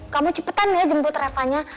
kamu cepetan jemput revanya